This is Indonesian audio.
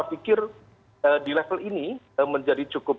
nah oleh karena itu saya pikir di level ini menjadi contohnya